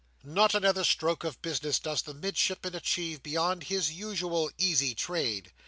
Not another stroke of business does the Midshipman achieve beyond his usual easy trade.